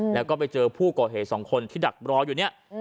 แล้วก็ไปเจอผู้ก่อเหตุสองคนที่ดักรออยู่เนี่ย